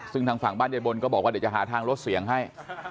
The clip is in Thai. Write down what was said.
ซึ่งทางฝั่งบ้านยายบนก็บอกว่าเดี๋ยวจะหาทางลดเสียงให้